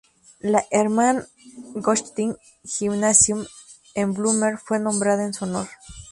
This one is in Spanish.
La "Hermann-Vöchting-Gymnasium", en Blomberg, fue nombrada en su honor.